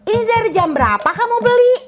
ini dari jam berapa kamu beli